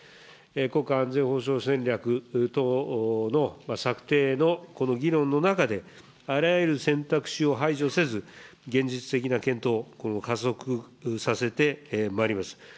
国家安全保障戦略等の策定の議論の中で、あらゆる選択肢を排除せず、現実的な検討、加速させてまいります。